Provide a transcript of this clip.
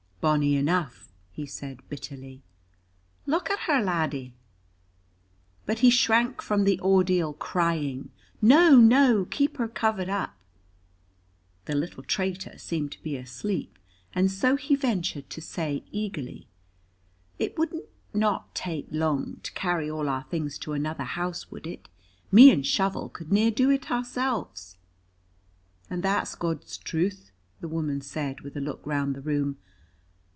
"Bonny enough," he said bitterly. "Look at her, laddie." But he shrank from the ordeal, crying, "No, no, keep her covered up!" The little traitor seemed to be asleep, and so he ventured to say, eagerly, "It wouldn't not take long to carry all our things to another house, would it? Me and Shovel could near do it ourselves." "And that's God's truth," the woman said, with a look round the room.